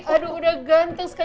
aduh sudah ganteng sekali